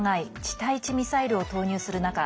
対地ミサイルを投入する中